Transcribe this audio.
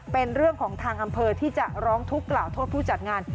เป็นเรื่องของทางอำเภอที่จะร้องทุกข์กล่าวโทษผู้จัดงาน